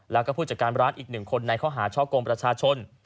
แล้วก็ผู้จัดการร้านอีกหนึ่งคนในข้อหาช่อกงประชาชน